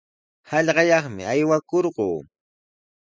Hallqayaqmi aywakurquu.